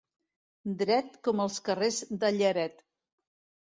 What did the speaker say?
Dret com els carrers de Lleret.